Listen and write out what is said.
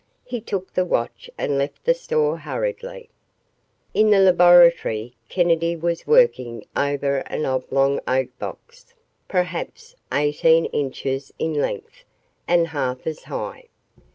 He took the watch and left the store hurriedly. ........ In the laboratory, Kennedy was working over an oblong oak box, perhaps eighteen inches in length and half as high.